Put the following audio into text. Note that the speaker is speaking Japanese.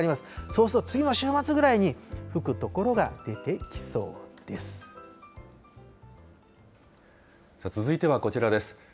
そうすると次の週末ぐらいに吹く続いてはこちらです。